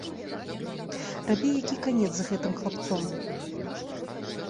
Рабі які канец з гэтым хлапцом.